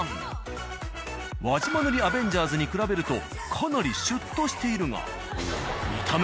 輪島塗アベンジャーズに比べるとかなりシュッとしているが。